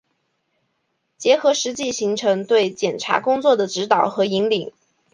结合实际形成对检察工作的指导、引领